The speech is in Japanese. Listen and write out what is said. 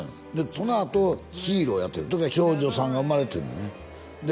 そのあと「ＨＥＲＯ」やってる時は長女さんが生まれてるのねで